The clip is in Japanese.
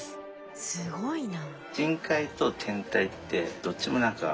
えすごいな。